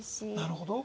なるほど。